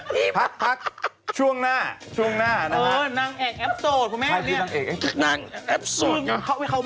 ไม่แน่ผมสำคัญ